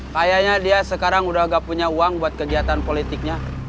kayaknya dia sekarang udah gak punya uang buat kegiatan politiknya